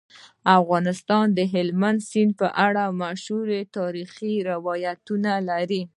افغانستان د هلمند سیند په اړه مشهور تاریخی روایتونه لري.